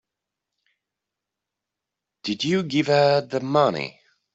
Did you give her the money?